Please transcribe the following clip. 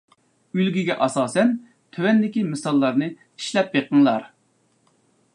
ئۈلگىگە ئاساسەن تۆۋەندىكى مىساللارنى ئىشلەپ بېقىڭلار.